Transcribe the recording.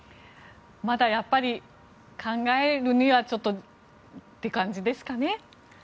まだやっぱり考えるにはって感じですかね。